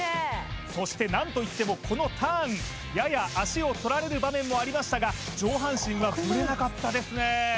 そして何といってもこのターンやや足を取られる場面もありましたが上半身はブレなかったですね